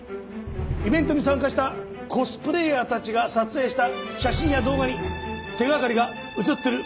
イベントに参加したコスプレイヤーたちが撮影した写真や動画に手掛かりが写ってる可能性が高い。